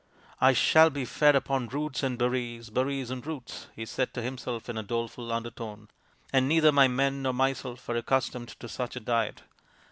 " I shall be fed upon roots and berries, berries and roots," he said to himself in a doleful undertone, " and neither my men nor myself are accustomed to such a diet.